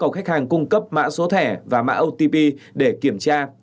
khách hàng cung cấp mã số thẻ và mã otp để kiểm tra